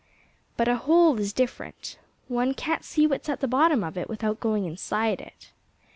But a hole is different. One can't see what's at the bottom of it without going inside it.